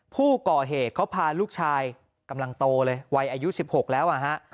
ผู้ก่อเหตุเขาพาลูกชายกำลังโตเลยวัยอายุ๑๖แล้วอ่ะฮะ